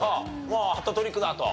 もうハットトリックだと？